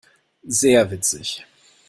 Sehr witzig!